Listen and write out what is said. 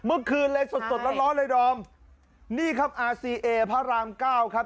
เมื่อคืนเลยสดสดร้อนร้อนเลยดอมนี่ครับอาซีเอพระรามเก้าครับ